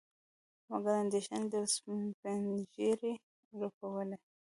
مګر اندېښنې د سپينږيري رپولې.